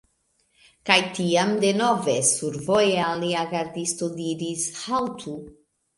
Kaj tiam denove, survoje alia gardisto diris: "Haltu